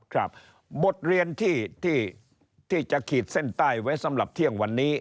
ครับบทเรียนที่จะขีดเส้นใต้ไว้สำหรับเที่ยงวันนี้